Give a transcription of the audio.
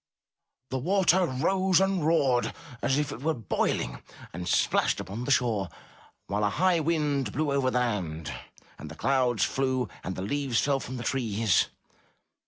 The water rose and roared as though it were boiling, and splashed upon the shore, while a high wind blew over the land, and the clouds flew and the leaves fell from the trees.